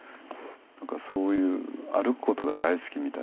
なんかそういう歩く事が大好きみたいで。